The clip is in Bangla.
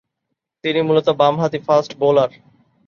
তিনি মূলতঃ বামহাতি ফাস্ট বোলার।